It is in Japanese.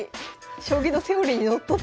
将棋のセオリーにのっとってる。